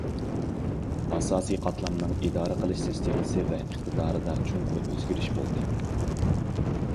ئاساسىي قاتلامنىڭ ئىدارە قىلىش سىستېمىسى ۋە ئىقتىدارىدا چوڭقۇر ئۆزگىرىش بولدى.